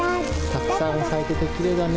たくさん咲いててきれいだね。